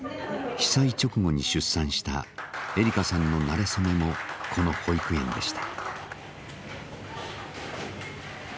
被災直後に出産した栄里香さんのなれ初めもこの保育園でした。